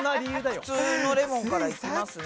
普通のレモンからいきますね。